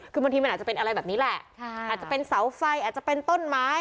คือบางทีมันอาจจะเป็นอะไรแบบนี้แหละอาจจะเป็นเสาไฟอาจจะเป็นต้นไม้